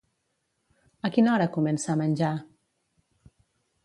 A quina hora comença a menjar?